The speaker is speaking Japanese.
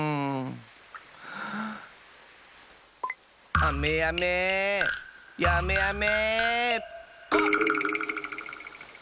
あめやめやめあめコッ！